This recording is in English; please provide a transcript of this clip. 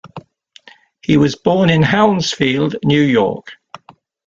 He was born in Hounsfield, New York.